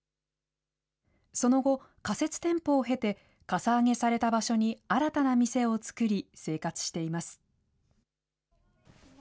その後、仮設店舗を経て、かさ上げされた場所に新たな店を作り、生活しています。